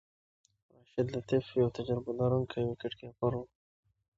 راشد لطيف یو تجربه لرونکی وکټ کیپر وو.